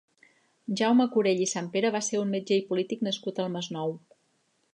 Jaume Curell i Sampera va ser un metge i polític nascut al Masnou.